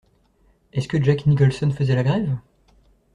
Est-ce que Jack Nicholson faisait la grève?